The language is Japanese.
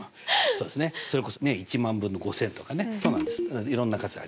そうですねそれこそね１万分の５，０００とかね。そうなんですいろんな数あります。